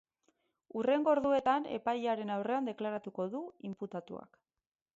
Hurrengo orduetan epailearen aurrean deklaratuko du imputatuak.